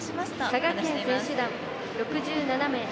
佐賀県選手団、６７名。